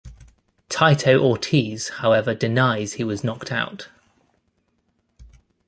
Tito Ortiz however denies he was knocked out.